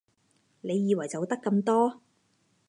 你以為就得咁多？